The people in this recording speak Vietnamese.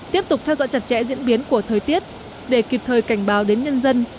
tiếp tục theo dõi chặt chẽ diễn biến của thời tiết để kịp thời cảnh báo đến nhân dân